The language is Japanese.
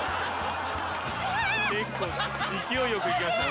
結構勢いよくいきましたね。